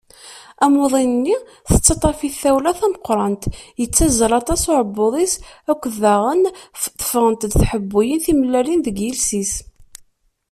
Amuḍin-nni, tettaṭṭaf-it tawla tameqqrant, yettazzal aṭas uɛebbuḍ-is akked daɣen tefɣent-d tḥebbiwin timellalin deg yiles-is.